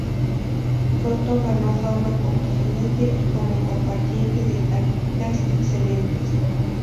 Soto ganó fama como jinete, y como combatiente de tácticas excelentes.